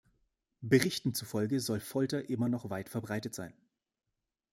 Berichten zufolge soll Folter immer noch weit verbreitet sein.